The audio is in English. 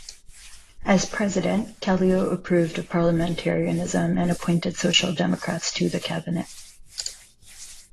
As president, Kallio approved of parliamentarism and appointed Social Democrats to the cabinet.